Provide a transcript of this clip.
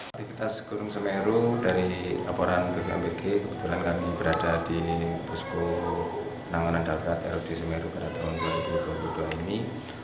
aktivitas gunung semeru dari laporan bpmg kebetulan kami berada di pusko penanganan darurat lg semeru pada tahun dua ribu dua puluh dua ini